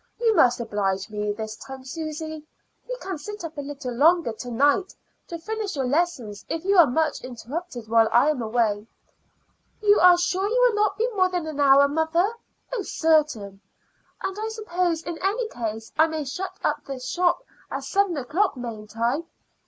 You must oblige me this time, Susy. You can sit up a little longer to night to finish your lessons if you are much interrupted while I am away." "You are sure you will not be more than an hour, mother?" "Oh, certain." "And I suppose in any case I may shut up the shop at seven o'clock, mayn't I?"